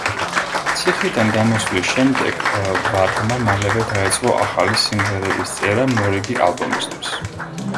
ციხიდან გამოსვლის შემდეგ ვარგმა მალევე დაიწყო ახალი სიმღერების წერა მორიგი ალბომისთვის.